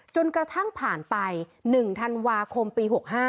จนกระทั่งผ่านไป๑ธันวาคมปี๖๕